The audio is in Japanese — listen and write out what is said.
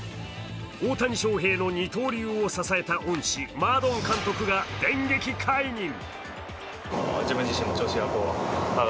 大谷翔平の二刀流を支えた恩師マドン監督が電撃解任。